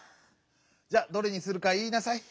じゃどれにするかいいなさい。